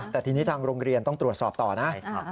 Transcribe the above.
แต่ทีนี้ทางโรงเรียนต้องตรวจสอบต่อนะ